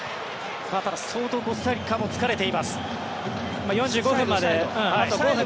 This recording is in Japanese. ただ、相当、コスタリカも疲れています。